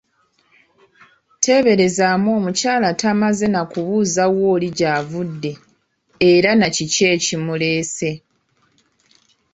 Teeberezaamu omukyala tamaze na kubuuza wa oli gy’avudde era na kiki ekimuleese.